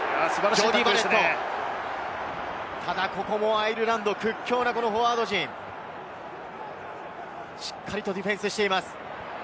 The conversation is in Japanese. アイルランド屈強のフォワード陣、しっかりとディフェンスしています。